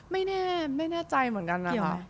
ไม่แน่ใจเหมือนกันนะค่ะ